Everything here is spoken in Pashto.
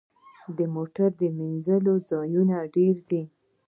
د موټر مینځلو ځایونه ډیر دي؟